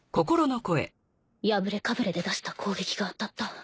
やぶれかぶれで出した攻撃が当たった。